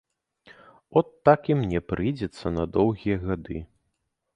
От так і мне прыйдзецца на доўгія гады.